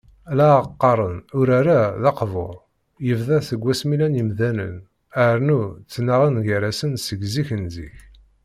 La aɣ-qqaren, urar-a, d aqbur: yebda seg wasmi llan yimdanen, rnu ttnaɣen gar-asen seg zik n zik.